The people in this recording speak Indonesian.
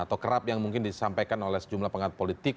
atau kerap yang mungkin disampaikan oleh sejumlah pengamat politik